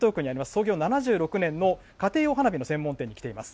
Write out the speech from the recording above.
創業７６年の家庭用花火の専門店に来ています。